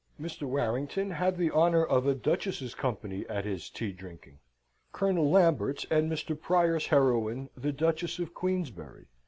Mr. Warrington had the honour of a duchess's company at his tea drinking Colonel Lambert's and Mr. Prior's heroine, the Duchess of Queensberry.